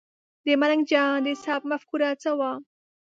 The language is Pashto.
د ملنګ جان د سبک مفکوره څه وه؟